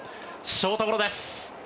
ショートゴロです。